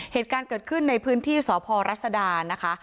เหตุการณ์เกิดขึ้นในพื้นที่สพรัศดานะคะ